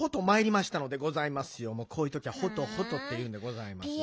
こういうときは「ほとほと」っていうんでございます。